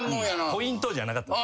ポイントじゃなかった。